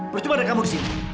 percuma ada kamu di sini